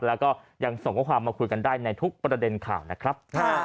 แล้วก็ยังส่งข้อความมาคุยกันได้ในทุกประเด็นข่าวนะครับ